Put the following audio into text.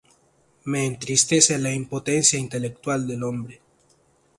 Me entristece la impotencia intelectual del hombre.